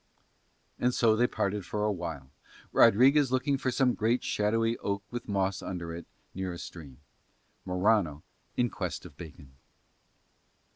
And so they parted for a while, Rodriguez looking for some great shadowy oak with moss under it near a stream, Morano in quest of bacon.